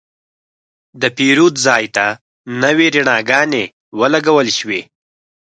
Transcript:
د پیرود ځای ته نوې رڼاګانې ولګول شوې.